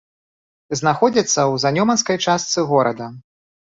Знаходзяцца ў занёманскай частцы горада.